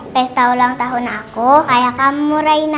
pesta ulang tahun aku kayak kamu raina